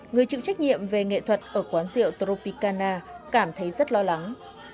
người chịu trách nhiệm về nghệ thuật ở quán rượu toropicana cảm thấy rất lo lắng